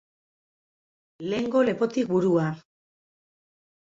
Lehengo lepotik burua